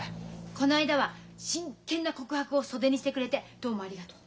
こないだは真剣な告白を袖にしてくれてどうもありがとう。